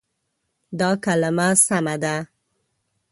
دا کلمه سمه ده.